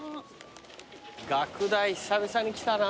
学大久々に来たな。